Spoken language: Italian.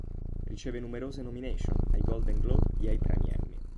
Riceve numerose "nomination" ai Golden Globe e ai Premi Emmy.